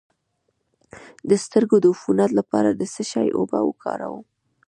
د سترګو د عفونت لپاره د څه شي اوبه وکاروم؟